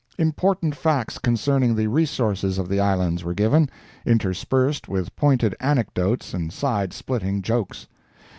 Important facts concerning the resources of the Islands were given, interspersed with pointed anecdotes and side splitting jokes.